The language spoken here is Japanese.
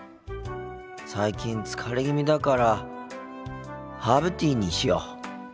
最近疲れ気味だからハーブティーにしよう。